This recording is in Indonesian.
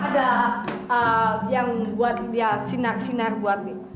ada yang buat dia sinar sinar buat dia